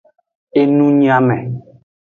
Enunyiame.